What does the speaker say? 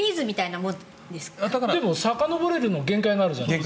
さかのぼるのに限界があるじゃないですか。